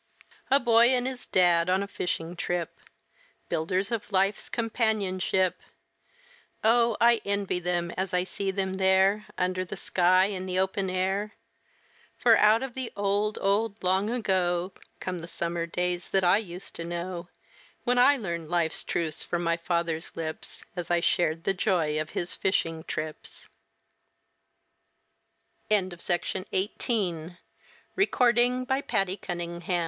] A boy and his dad on a fishing trip Builders of life's companionship! Oh, I envy them, as I see them there Under the sky in the open air, For out of the old, old long ago Come the summer days that I used to know, When I learned life's truths from my father's lips As I shared the joy of his fishing t